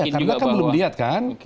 karena kan belum lihat kan